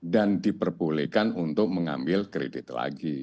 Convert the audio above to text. dan diperbolehkan untuk mengambil kredit lagi